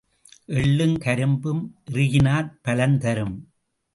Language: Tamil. எள்ளும் கரும்பும் இறுக்கினாற் பலன் தரும்.